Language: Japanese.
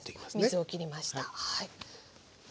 水を切りました。